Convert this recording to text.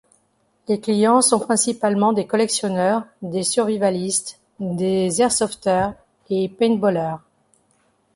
Les clients sont principalement des collectionneurs, des survivalistes, des airsofteurs et paintballeurs.